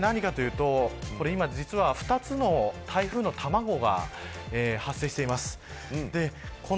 これが何かというと実は今、２つの台風のたまごが発生しています。